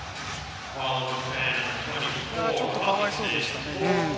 ちょっとかわいそうでしたね。